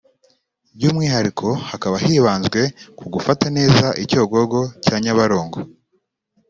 By’umwihariko hakaba hibanzwe ku gufata neza icyogogo cya Nyabarongo